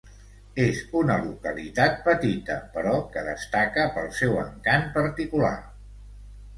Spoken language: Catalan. És una localitat petita però que destaca pel seu encant particular.